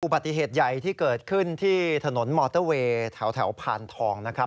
ปฏิเหตุใหญ่ที่เกิดขึ้นที่ถนนมอเตอร์เวย์แถวพานทองนะครับ